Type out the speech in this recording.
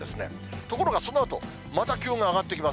ところがそのあと、また気温が上がってきます。